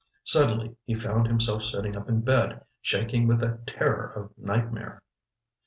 Suddenly he found himself sitting up in bed, shaking with the terror of nightmare.